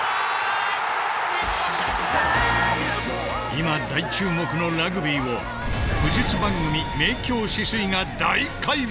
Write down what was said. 今大注目のラグビーを武術番組「明鏡止水」が大解剖。